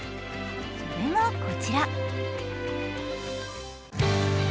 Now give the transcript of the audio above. それがこちら。